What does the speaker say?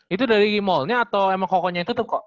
itu dari mallnya atau emang koko nya yang tutup kok